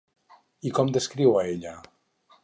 I com descriu a ella?